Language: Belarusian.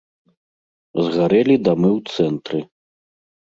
Згарэлі дамы ў цэнтры.